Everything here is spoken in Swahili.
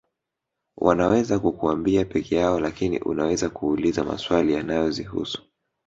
Wanaweza kukuambia pekee yao lakini unaweza kuuliza maswali yanayozihusu